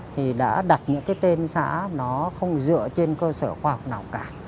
thì đã đặt những cái tên xã nó không dựa trên cơ sở khoa học nào cả